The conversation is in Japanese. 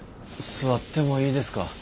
座ってもいいですか？